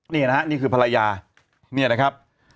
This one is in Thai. นี่นะฮะนี่คือภรรยาเนี่ยนะครับ